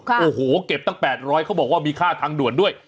โอ้โหเก็บตั้ง๘๐๐เขาบอกว่ามีค่าทางด่วนด้วย